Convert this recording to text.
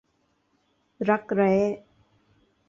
รักแร้